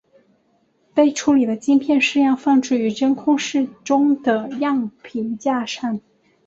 被处理的晶片试样放置于真空室中的样品架上。